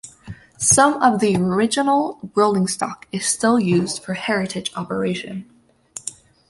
Some of the original rolling stock is still used for heritage operation.